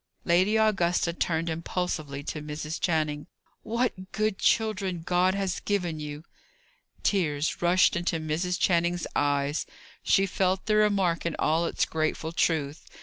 Lady Augusta turned impulsively to Mrs. Channing. "What good children God has given you!" Tears rushed into Mrs. Channing's eyes; she felt the remark in all its grateful truth.